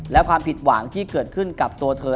และความผิดหวังที่เกิดขึ้นกับตัวเธอ